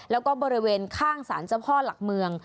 แล้วก็บริเวณข้างสารเจ้าพ่อหลักเมือง